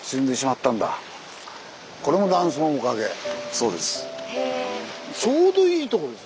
そうです。